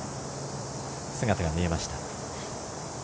姿が見えました。